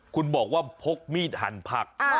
คุณบอกว่าพกมีดหั่นผัก